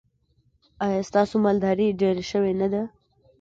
ایا ستاسو مالداري ډیره شوې نه ده؟